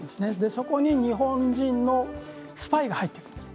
そこに日本人のスパイが入っていくんです。